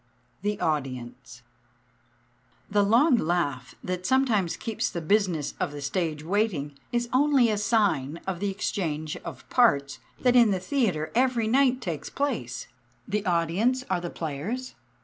THE AUDIENCE The long laugh that sometimes keeps the business of the stage waiting is only a sign of the exchange of parts that in the theatre every night takes place. The audience are the players.